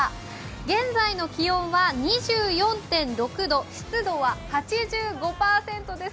現在の気温は２４．６度、湿度は８５％です。